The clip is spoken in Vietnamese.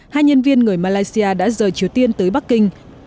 hai nhân viên người malaysia đã rời triều tiên tới bắc kinh